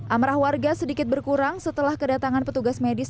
amrah warga sedikit berkurang setelah kedatangan petugas medis